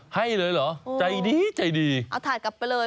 ให้เลยเหรอใจดีใจดีเอาถ่ายกลับไปเลย